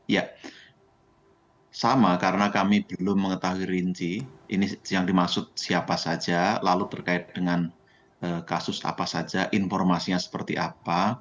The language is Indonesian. ya sama karena kami belum mengetahui rinci ini yang dimaksud siapa saja lalu terkait dengan kasus apa saja informasinya seperti apa